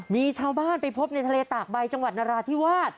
มีชาวบ้านไปพบในทะเลตากใบจังหวัดนราธิวาส